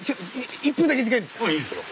１分だけ時間いいですか？